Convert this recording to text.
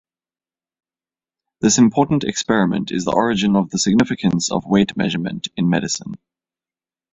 This important experiment is the origin of the significance of weight measurement in medicine.